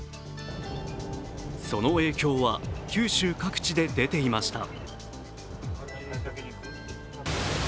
その影響は九州各地で出ていました。